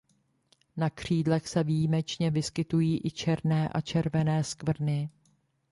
Na křídlech se výjimečně vyskytují i černé a červené skvrny.